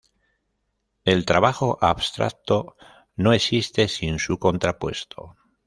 El trabajo abstracto no existe sin su contrapuesto.